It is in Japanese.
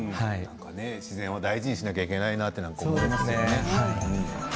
自然を大事にしないといけないと思いますね。